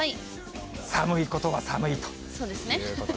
寒いことは寒いということで。